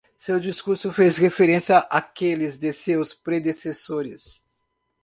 Seu discurso fez referência àqueles de seus predecessores.